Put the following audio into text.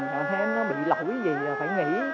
nào thế nó bị lỗi gì là phải nghỉ